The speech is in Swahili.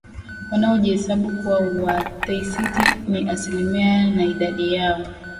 wanaojihesabu kuwa Waatheisti ni asilimia na idadi yao